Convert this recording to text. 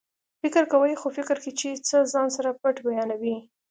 فکر کوئ خو فکر کې چې څه ځان سره پټ بیانوي